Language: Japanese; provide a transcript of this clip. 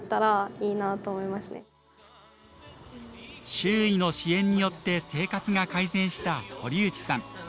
周囲の支援によって生活が改善した堀内さん。